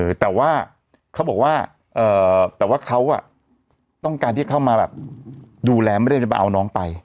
เออแต่ว่าเขาบอกว่าเอ่อแต่ว่าเขาอ่ะต้องการที่เข้ามาแบบดูแลไม่ได้มาเอาน้องไป